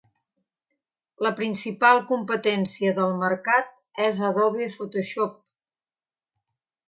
La principal competència del mercat és Adobe Photoshop.